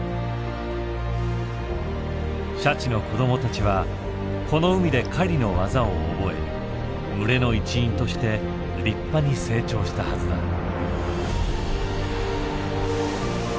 シャチの子供たちはこの海で狩りの技を覚え群れの一員として立派に成長したはずだ。